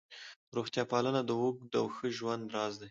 روغتیا پالنه د اوږد او ښه ژوند راز دی.